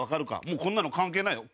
もうこんなの関係ないよ。